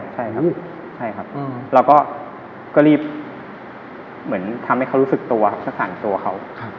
ใช่ครับแล้วก็รีบเหมือนทำให้เขารู้สึกตัวครับจะสั่นตัวเขา